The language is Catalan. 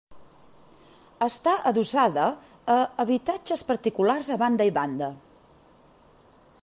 Està adossada a habitatges particulars a banda i banda.